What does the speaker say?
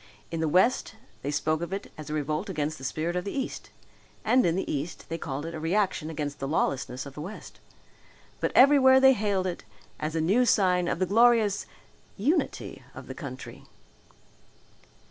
In the west they spoke of it as a revolt against the spirit of the east and in the east they called it a reaction against the lawlessness of the west. But everywhere they hailed it as a new sign of the glorious unity of the country.